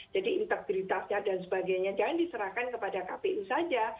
jadi integritasnya dan sebagainya jangan diserahkan kepada kpu saja